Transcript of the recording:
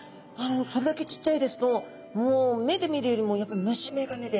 それだけちっちゃいですともう目で見るよりもやっぱ虫眼鏡で？